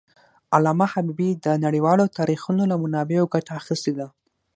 علامه حبيبي د نړیوالو تاریخونو له منابعو ګټه اخېستې ده.